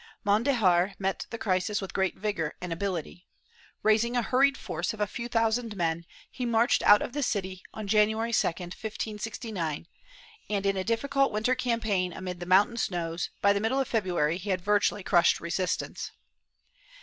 Mondejar met the crisis with great vigor and ability. Raising a hurried force of a few thousand men, he marched out of the city on January 2, 1569 and, in a difficult winter campaign amid the mountain snows, by the middle of February he had virtually crushed resistance.